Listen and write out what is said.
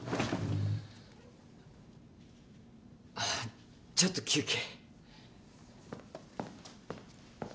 あっちょっと休憩。